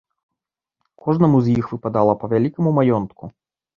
Кожнаму з іх выпадала па вялікаму маёнтку.